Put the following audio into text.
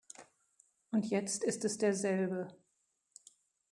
Und jetzt ist es derselbe.